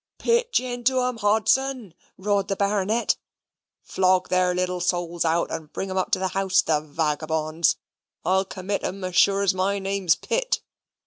"Pitch into 'em, Hodson," roared the baronet; "flog their little souls out, and bring 'em up to the house, the vagabonds; I'll commit 'em as sure as my name's Pitt."